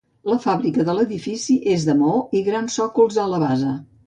La fàbrica de l'edifici és de maó i grans sòcols a la base.